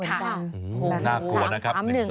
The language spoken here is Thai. น่ากลัวนะครับ